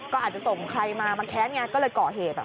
ก็อาจจะส่งใครมามันแค้นอย่างนี้ก็เลยเกาะเหตุ